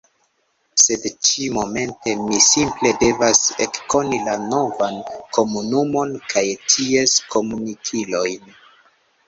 Sed ĉi–momente, mi simple devas ekkoni la novan komunumon kaj ties komunkilojn.